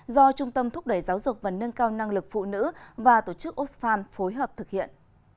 do trung tâm thúc đẩy giáo dục và nâng cao năng lực phụ nữ và tổ chức osfarm phối hợp thực hiện